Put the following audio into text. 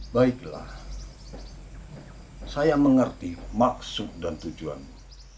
baiklah saya mengerti maksud dan tujuanmu